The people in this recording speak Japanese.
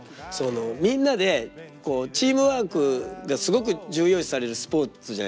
みんなでチームワークがすごく重要視されるスポーツじゃないですか。